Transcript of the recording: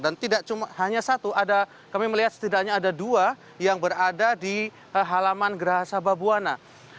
dan tidak cuma hanya satu ada kami melihat setidaknya ada dua yang berada di halaman geraha sabah buwana